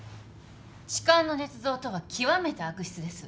痴漢の捏造とは極めて悪質です。